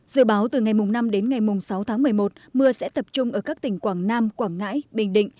dự báo từ ngày năm đến ngày sáu tháng một mươi một mưa sẽ tập trung ở các tỉnh quảng nam quảng ngãi bình định